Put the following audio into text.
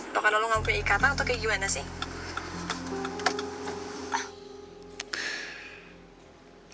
lo kan lo gak mau punya ikatan atau kayak gimana sih